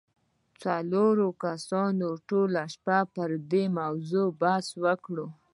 څلورو کسانو ټوله شپه پر دې موضوع بحث وکړ